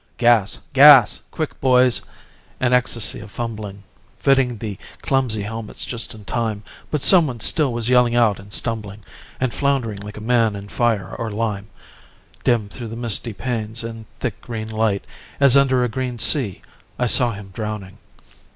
Gas! GAS! Quick, boys! An ecstasy of fumbling Fitting the clumsy helmets just in time, But someone still was yelling out and stumbling And flound'ring like a man in fire or lime. Dim through the misty panes and thick green light, As under a green sea, I saw him drowning.